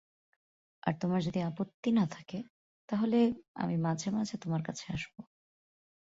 আর তোমার যদি আপত্তি না থাকে, তাহলে আমি মাঝে-মাঝে তোমার কাছে আসব।